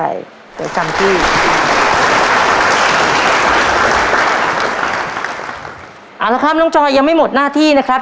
เอาละครับน้องจอยยังไม่หมดหน้าที่นะครับ